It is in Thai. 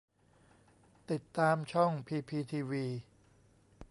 ติดตามช่องพีพีทีวี